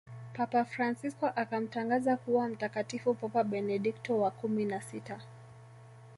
papa fransisko akamtangaza kuwa mtakatifu papa benedikto wa kumi na sita